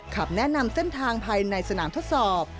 คำแนะนำเส้นทางภายในสนามทดสอบ